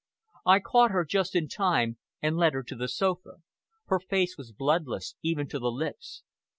I caught her just in time, and led her to the sofa. Her face was bloodless, even to the lips.